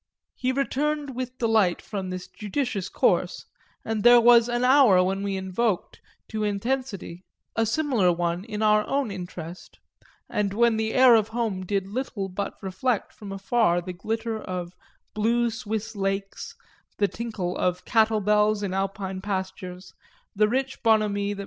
He returned with delight from this judicious course and there was an hour when we invoked, to intensity, a similar one in our own interest and when the air of home did little but reflect from afar the glitter of blue Swiss lakes, the tinkle of cattle bells in Alpine pastures, the rich bonhomie that M.